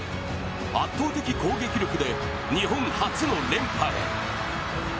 圧倒的攻撃力で日本初の連覇へ。